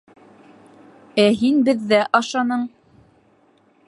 — Ә һин беҙҙә ашаның!